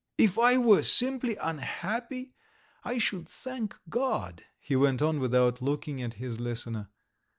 "If I were simply unhappy I should thank God," he went on without looking at his listener.